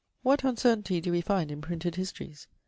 What uncertainty doe we find in printed histories?